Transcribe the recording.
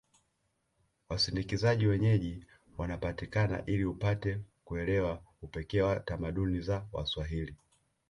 Wasindikizaji wenyeji wanapatikana ili upate kuelewa upekee wa tamaduni za waswahili